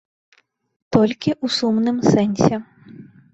Толькі ў сумным сэнсе.